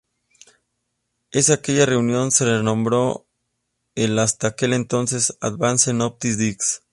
En aquella reunión, se renombró el, hasta aquel entonces, "Advanced Optical Disc".